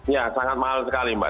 ya sangat mahal sekali mbak